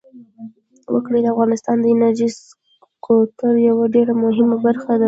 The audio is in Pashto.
وګړي د افغانستان د انرژۍ سکتور یوه ډېره مهمه برخه ده.